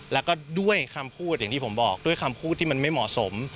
แล้วก็ด้วยคำพูดอย่างที่ผมบอกด้วยคำพูดที่มันไม่เหมาะสม